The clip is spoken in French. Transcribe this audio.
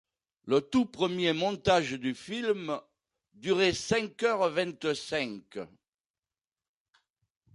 Le tout premier montage du film durait cinq heures vingt-cinq.